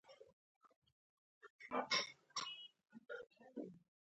جګړه د ماشومانو لوبې بندوي